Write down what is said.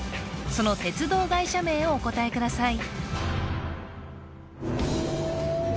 その鉄道会社名をお答えください